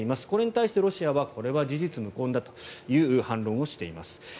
これに対してロシアはこれは事実無根だという反論をしています。